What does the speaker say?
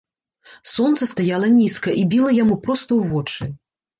Сонца стаяла нізка і біла яму проста ў вочы.